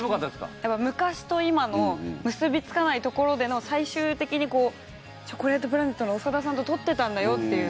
やっぱ昔と今の結びつかないところでの最終的にチョコレートプラネットの長田さんと撮ってたんだよっていう。